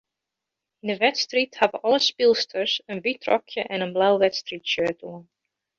Yn 'e wedstriid hawwe alle spylsters in wyt rokje en in blau wedstriidshirt oan.